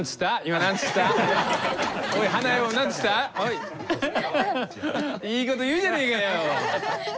いいこと言うじゃねえかよ！